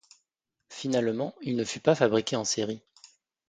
Finalement il ne fut pas fabriqué en série.